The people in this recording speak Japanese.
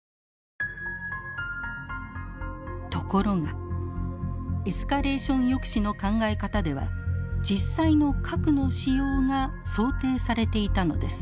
ところがエスカレーション抑止の考え方では実際の核の使用が想定されていたのです。